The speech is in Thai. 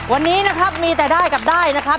วันนี้นะครับมีแต่ได้กับได้นะครับ